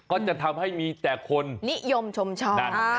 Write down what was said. ก็จะทำให้มีแต่คนนิยมชมชอบ